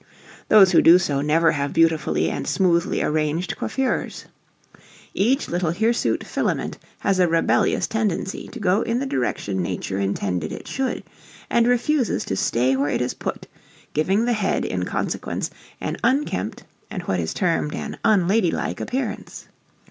Those who do so never have beautifully and smoothly arranged coiffures. Each little hirsute filament has a rebellious tendency to go in the direction nature intended it should, and refuses to "stay where it is put," giving the head in consequence, an unkempt and what is termed an "unladylike" appearance.